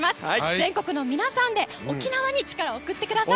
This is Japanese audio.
全国の皆さんで沖縄に力を送ってください。